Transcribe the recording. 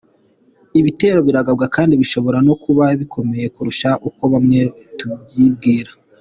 Ibitero biragabwa kandi bishobora no kuba bikomeye kurusha uko bamwe tubyibwira.